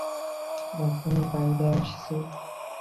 এখনই বাইরে আসছি।